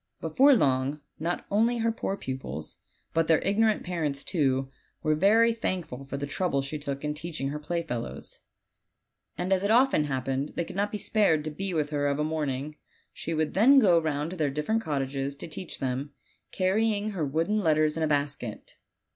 Before long not only her poor pupils, but tkeir ignorant parents too, were very thankful for the trouble she took in teaching her playfellows; and as it often happened they could not be spared to be with her of a morning, she would then go round to their different cottages to jeach them, carrying her wooden letters in a basket.